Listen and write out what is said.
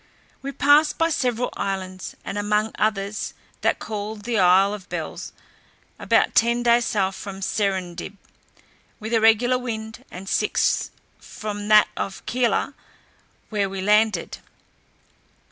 We passed by several islands, and among others that called the isle of Bells, about ten days' sail from Serendib, with a regular wind, and six from that of Kela, where we landed.